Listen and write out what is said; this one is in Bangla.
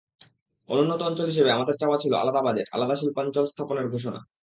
অনুন্নত অঞ্চল হিসেবে আমাদের চাওয়া ছিল আলাদা বাজেট, আলাদা শিল্পাঞ্চল স্থাপনের ঘোষণা।